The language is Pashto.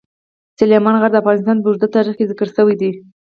سلیمان غر د افغانستان په اوږده تاریخ کې ذکر شوی دی.